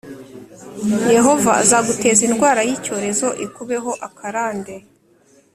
Yehova azaguteza indwara y’icyorezo ikubeho akarande,